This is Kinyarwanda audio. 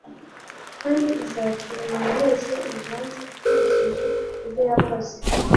kandi izacira umuntu wese urubanza ikurikije ibyo yakoze.